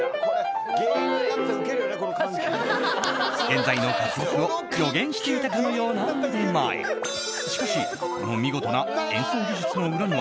現在の活躍を予言していたかのような腕前。